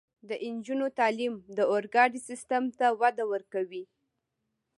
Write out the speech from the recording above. د نجونو تعلیم د اورګاډي سیستم ته وده ورکوي.